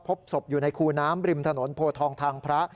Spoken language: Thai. พบศพอยู่ในคูน้ำริมถนนโพทองทางพระ